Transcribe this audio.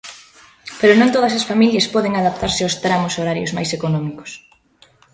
Pero non todas as familias poden adaptarse aos tramos horarios máis económicos.